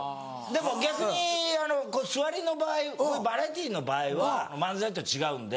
でも逆に座りの場合バラエティーの場合は漫才と違うんで。